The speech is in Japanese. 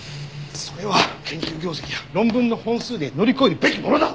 それは研究業績や論文の本数で乗り越えるべきものだ！